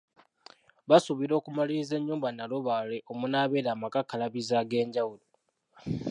Basuubira okumaliriza ennyumba Nalubaale omunaabeera amakakkalabizo ag’enjawulo.